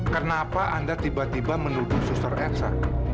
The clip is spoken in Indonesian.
kenapa anda tiba tiba menuduh suster exa